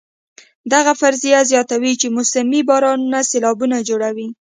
دغه فرضیه زیاتوي چې موسمي بارانونه سېلابونه جوړوي.